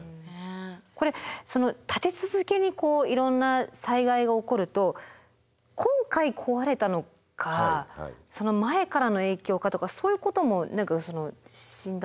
これ立て続けにこういろんな災害が起こると今回壊れたのかその前からの影響かとかそういうことも何かその診断する時に影響されちゃったりするんですか？